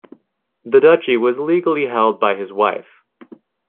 The duchy was legally held by his wife.